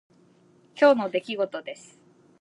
今日の出来事です。